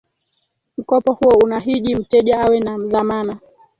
mkopo huo unahiji mteja awe na dhamana